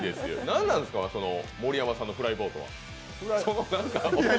何なんですか、盛山さんのフライボートは。